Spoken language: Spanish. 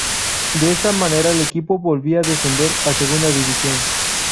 De esta manera el equipo volvía a descender a Segunda División.